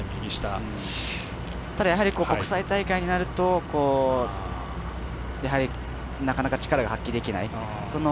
ただ、国際大会になるとなかなか力が発揮できない。